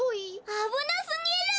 あぶなすぎる！